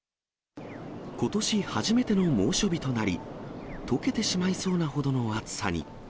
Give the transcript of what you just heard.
ことし初めての猛暑日となり、とけてしまいそうなほどの暑さに。